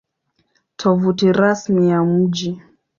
Tovuti Rasmi ya Mji